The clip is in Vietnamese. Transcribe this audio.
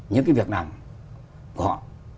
những việc nằm của họ